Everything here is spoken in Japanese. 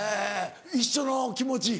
一緒の気持ち？